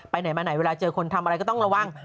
ไหนมาไหนเวลาเจอคนทำอะไรก็ต้องระวัง